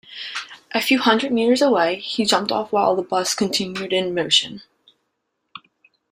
A few hundred metres away, he jumped off while the bus continued in motion.